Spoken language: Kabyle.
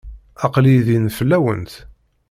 Aql-iyi din fell-awent.